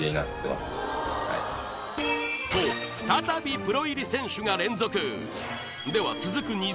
はいと再びプロ入り選手が連続では続く